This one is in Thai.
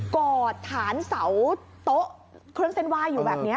กอดฐานเสาโต๊ะเครื่องเส้นไหว้อยู่แบบนี้